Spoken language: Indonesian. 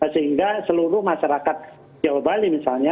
sehingga seluruh masyarakat jawa bali misalnya